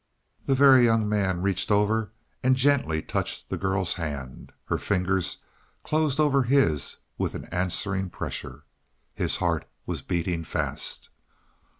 The Very Young Man reached over and gently touched the girl's hand; her fingers closed over his with an answering pressure. His heart was beating fast.